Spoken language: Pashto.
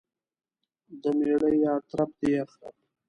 دميړه يا ترپ دى يا خرپ.